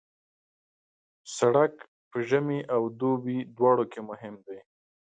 سړک د ژمي او دوبي دواړو کې مهم دی.